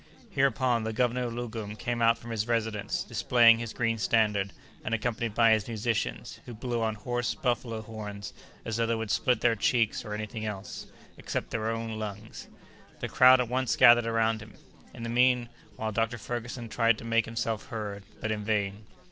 Hereupon the Governor of Loggoum came out from his residence, displaying his green standard, and accompanied by his musicians, who blew on hoarse buffalo horns, as though they would split their cheeks or any thing else, excepting their own lungs. The crowd at once gathered around him. In the mean while Dr. Ferguson tried to make himself heard, but in vain.